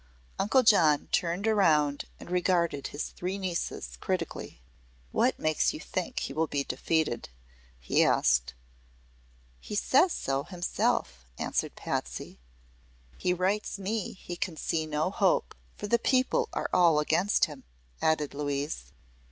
Uncle John turned around and regarded his three nieces critically. "What makes you think he will be defeated?" he asked. "He says so himself," answered Patsy. "He writes me he can see no hope, for the people are all against him," added Louise.